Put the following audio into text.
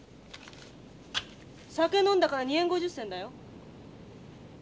酒飲んだから２円５０銭だよ。